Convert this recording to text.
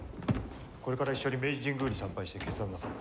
これから一緒に明治神宮に参拝して決断なさる。